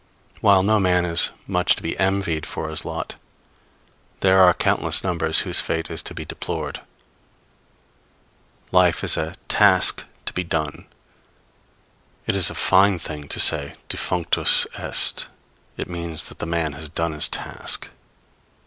While no man is much to be envied for his lot, there are countless numbers whose fate is to be deplored. Life is a task to be done. It is a fine thing to say defunctus est; it means that the man has done his task.